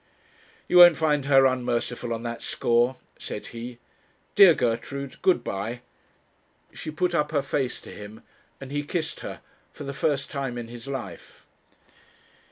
'You won't find her unmerciful on that score,' said he. 'Dear Gertrude, good bye.' She put up her face to him, and he kissed her, for the first time in his life.